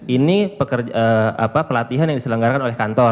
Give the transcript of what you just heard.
ini pelatihan yang diselenggarakan oleh kantor